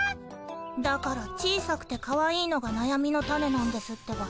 だから小さくてかわいいのがなやみのタネなんですってば。